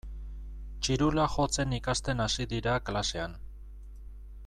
Txirula jotzen ikasten hasi dira klasean.